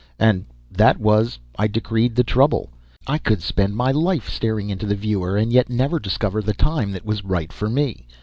And that was, I decreed, the trouble; I could spend my life staring into the viewer, and yet never discover the time that was right for me.